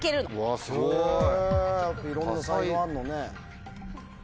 へぇいろんな才能あんのね。